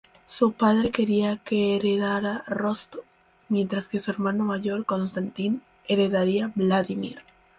Su padre quería que heredara Rostov, mientras que su hermano mayor Konstantín heredaría Vladímir.